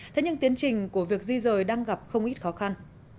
thế nhưng tiến trình của việc di rời đang gặp không ít khó khăn